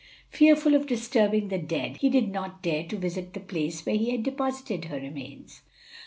Fearful of disturbing the dead, he did not dare to visit the place where he had deposited her remains.